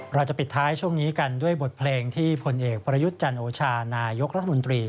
เราจะปิดท้ายช่วงนี้กันด้วยบทเพลงที่ผลเอกประยุทธ์จันโอชานายกรัฐมนตรี